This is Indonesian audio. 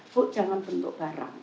bu jangan bentuk barang